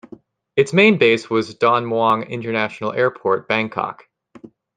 Its main base was Don Mueang International Airport, Bangkok.